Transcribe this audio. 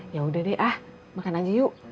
ya udah deh ah makan aja yuk